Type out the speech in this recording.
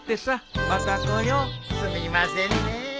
すみませんねえ。